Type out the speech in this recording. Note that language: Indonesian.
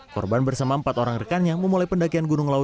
korban bersama empat orang rekannya memulai pendakian gunung lawu